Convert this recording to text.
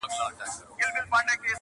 زه خو نه غواړم ژوندون د بې هنبرو-